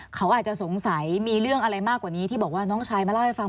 เขาอาจจะสงสัยมีเรื่องอะไรมากกว่านี้ที่บอกว่าน้องชายมาเล่าให้ฟัง